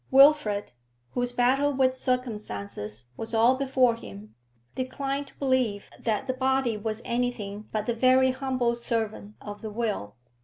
Wilfrid, whose battle with circumstances was all before him, declined to believe that the body was anything but the very humble servant of the will.